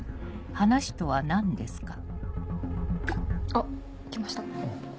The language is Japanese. あっ来ました。